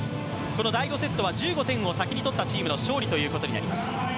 この第５セットは１５点を先に取ったチームの勝利となります。